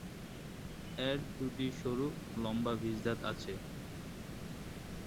এর দুটি সরু, লম্বা বিষ দাঁত আছে।